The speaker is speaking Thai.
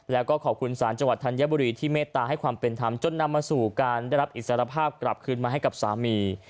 แล้วก็ขอบคุณศาลจังหวัดธัญบุรีที่เมตตาให้ความเป็นธรรมจนนำมาสู่การได้รับอิสรภาพกลับคืนมาให้กับสามี